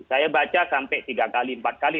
saya baca sampai tiga kali empat kali